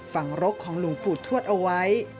ฝั่งรกของหลวงปูธรทวดเอาไว้